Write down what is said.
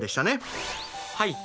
はい。